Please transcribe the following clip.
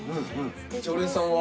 常連さんは。